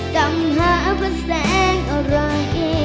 จำหาก็แสงอะไร